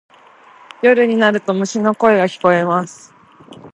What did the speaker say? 夜になると虫の声が聞こえます。